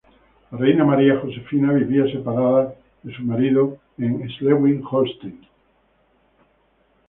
La Reina María Josefina vivía separada de su marido, en Schleswig-Holstein.